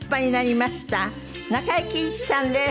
中井貴一さんです。